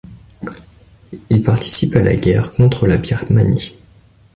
Il participe à la guerre contre la Birmanie.